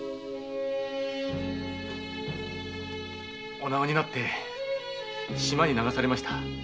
お縄になって島へ流されました。